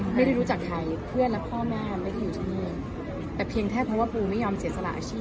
ไม่ได้รู้จักใครเพื่อนและพ่อแม่ไม่ได้อยู่ที